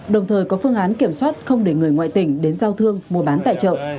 đồng thời có phương án kiểm soát không để người ngoại tỉnh đến giao thương mua bán tại chợ